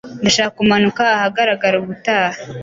Ndashaka kumanuka ahagarara ubutaha.